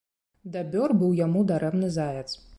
Дабёр быў яму дарэмны заяц.